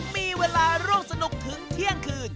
มีเวลาร่วมสนุกถึงเที่ยงคืน